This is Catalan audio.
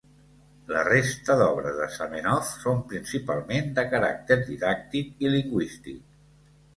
La resta d'obres de Zamenhof són principalment de caràcter didàctic i lingüístic.